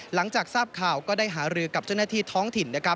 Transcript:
หลังจากทราบข่าวก็ได้หารือกับเจ้าหน้าที่ท้องถิ่นนะครับ